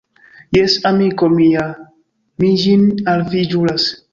Jes, amiko mia, mi ĝin al vi ĵuras.